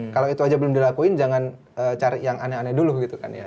kalau itu aja belum dilakuin jangan cari yang aneh aneh dulu gitu kan ya